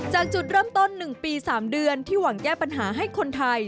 จากจุดเริ่มต้น๑ปี๓เดือนที่หวังแก้ปัญหาให้คนไทย